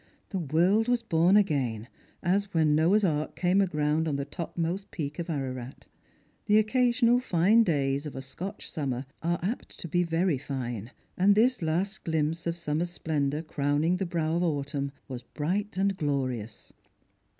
The world was born again, as when Noah's ark came aground on the topmost peak of Ararat. The occasional fine days of a Scotch summer are apt to be very fine, and this last glimpse of summer's splen dour crowning the brow of autumn was bright and glorious.